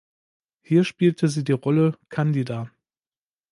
Hier spielte sie die Rolle "Candida".